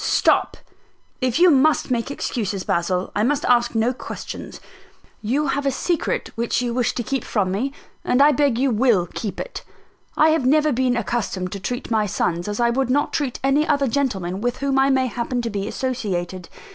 "Stop! If you must make excuses, Basil, I must ask no questions. You have a secret which you wish to keep from me; and I beg you will keep it. I have never been accustomed to treat my sons as I would not treat any other gentlemen with whom I may happen to be associated.